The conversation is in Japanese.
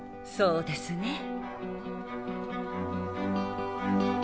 そうですね。